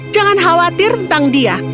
jangan khawatir tentang dia